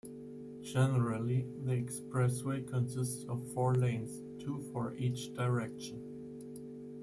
Generally the expressway consists of four lanes, two for each direction.